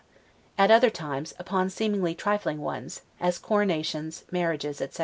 at other times, upon seemingly trifling ones, as coronations, marriages, etc.